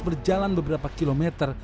berjalan beberapa kilometer